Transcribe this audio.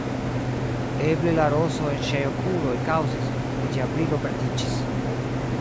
Eble la roso en ŝiaj okuloj kaŭzis, ke ĝia brilo perdiĝis.